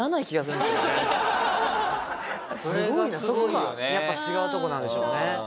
そこが違うとこなんでしょうね。